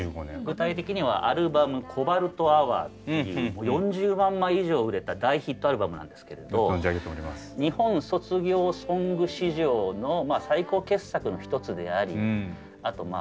具体的にはアルバム「ＣＯＢＡＬＴＨＯＵＲ」っていう４０万枚以上売れた大ヒットアルバムなんですけれど日本の卒業ソング市場の最高傑作の一つでありあと